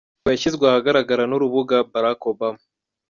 Iyi video yashyizwe ahagaragara n’urubuga barackobama.